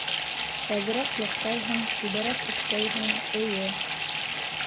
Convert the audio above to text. Әҙерәк йоҡтайһың, күберәк эштәйһең, эйе...